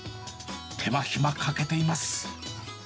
手間暇かけています。